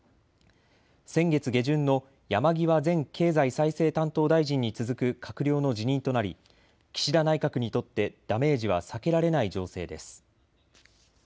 先月下旬の山際前経済再生担当大臣に続く閣僚の辞任となり岸田内閣にとってダメージは避けられない情勢です。